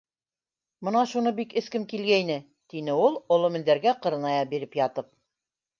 Мына шуны бик эскем килгәйне, - гине ул, оло мендәргә ҡырыная биреп ятып.